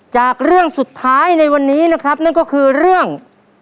จากเรื่องสุดท้ายในวันนี้นะครับนั่นก็คือเรื่อง